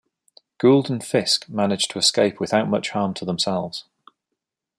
Gould and Fisk managed to escape without much harm to themselves.